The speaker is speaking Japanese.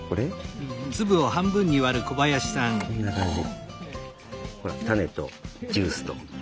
こんな感じ。